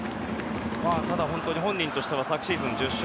ただ本人としては昨シーズン１０勝